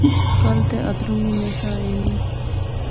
کل تے اتروں وی نہسے اینی